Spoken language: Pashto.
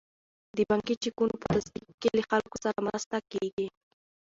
د بانکي چکونو په تصدیق کې له خلکو سره مرسته کیږي.